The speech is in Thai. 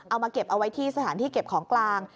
เอามาเก็บเอาไว้ที่สถานที่เก็บของกลาง